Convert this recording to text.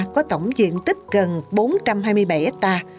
có tổng diện tích gần bốn trăm hai mươi bảy hectare